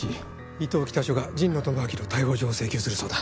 伊東北署が神野智明の逮捕状を請求するそうだ。